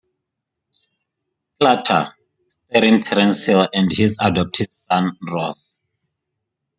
Clucher, starring Terence Hill and his adoptive son Ross.